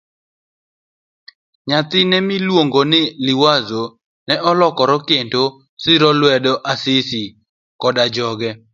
Nyathine miluongo ni Liwazo ne olokre kendo siro lwedo Asisi koda joge.